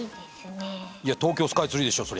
東京スカイツリーでしょう